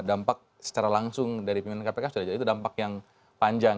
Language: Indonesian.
dampak secara langsung dari pimpinan kpk sudah jadi itu dampak yang panjang